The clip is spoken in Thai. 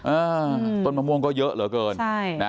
เออต้นมะม่วงก็เยอะเหลือเกินใช่นะ